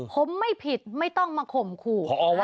ผมไม่ผิดไม่ต้องมาข่มขู่